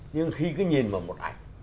nhưng khi cứ nhìn vào một ảnh